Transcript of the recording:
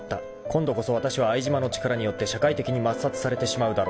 ［今度こそわたしは相島の力によって社会的に抹殺されてしまうだろう］